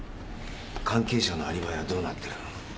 関係者のアリバイはどうなってる？